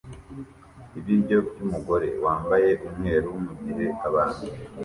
ibiryo byumugore wambaye umweru mugihe abantu